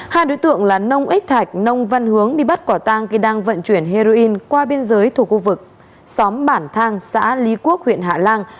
hai đối tượng là nông ích thạch nông văn hướng bị bắt quả tang khi đang vận chuyển heroin qua biên giới thuộc khu vực xóm bản thang xã lý quốc huyện hạ lan